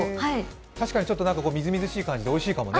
確かにちょっとみずみずしい感じでおいしいかもね。